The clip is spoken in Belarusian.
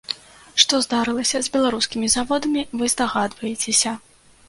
Што здарылася з беларускімі заводамі, вы здагадваецеся.